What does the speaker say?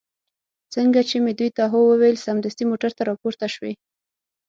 څنګه چې مې دوی ته هو وویل، سمدستي موټر ته را پورته شوې.